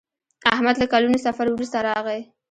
احمد له کلونو سفر وروسته راغی.